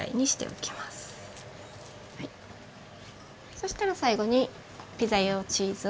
そしたら最後にピザ用チーズを。